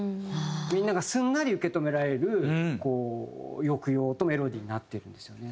みんながすんなり受け止められる抑揚とメロディーになってるんですよね。